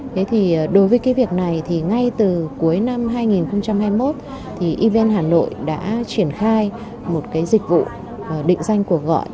thế thì đối với cái việc này thì ngay từ cuối năm hai nghìn hai mươi một thì evn hà nội đã triển khai một cái dịch vụ định danh cuộc gọi